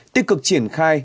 tích cực triển khai